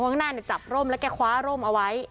หลวงข้างหน้าเนี่ยจับร่มแล้วแกขวาร่มเอาไว้